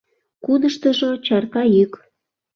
Кудыштыжо — чарка йӱк